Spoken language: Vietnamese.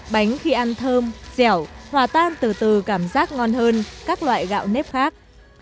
bánh khi ăn thơm dẻo hòa tan từ từ cảm giác ngon hơn các loại gạo nếp khác